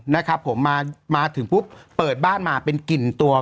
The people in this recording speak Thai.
นะครับผมมาถึงปุ๊บเปิดบ้านมาเป็นกลิ่นตัว